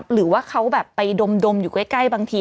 หรือว่าเขาแบบไปดมอยู่ใกล้บางที